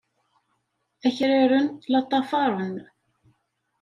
Akraren la ṭṭafaren.